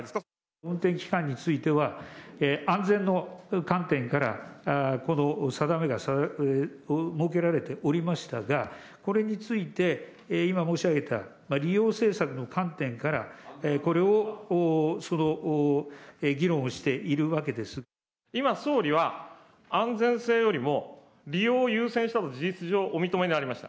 運転期間については、安全の観点からこの定めが設けられておりましたが、これについて、今申し上げた利用政策の観点から、今、総理は、安全性よりも利用を優先したと事実上、お認めになりました。